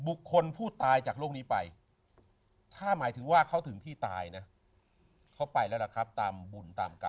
บุคคลผู้ตายจากโลกนี้ไปถ้าหมายถึงว่าเขาถึงที่ตายนะเขาไปแล้วล่ะครับตามบุญตามกรรม